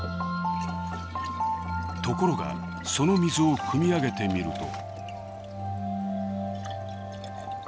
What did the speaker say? ところがその水をくみ上げてみると。